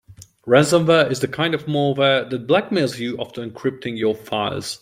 Ransomware is the kind of malware that blackmails you after encrypting your files.